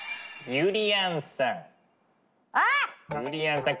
ゆりやんさん